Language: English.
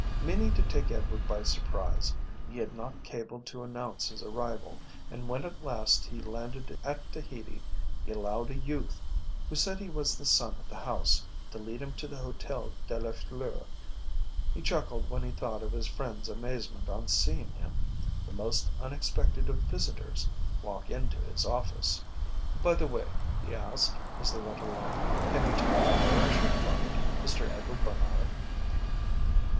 Meaning to take Edward by surprise he had not cabled to announce his arrival, and when at last he landed at Tahiti he allowed a youth, who said he was the son of the house, to lead him to the Hotel de la Fleur. He chuckled when he thought of his friend's amazement on seeing him, the most unexpected of visitors, walk into his office. "By the way," he asked, as they went along, "can you tell me where I shall find Mr. Edward Barnard?"